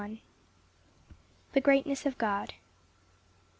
The greatness of God.